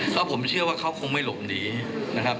ก็ผมเชื่อว่าเขาคงไม่หลบหนีนะครับ